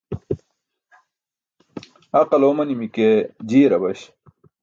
Aql oomanimi ke jiyar abaś.